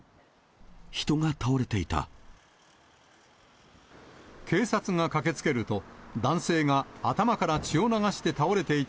人が倒れていた。